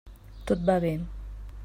Tot va bé.